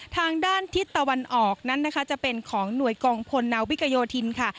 ทางด้านที่ตะวันออกนั้นจะเป็นของหน่วยกลองภนาวพิกโยธินทร์ค่ะ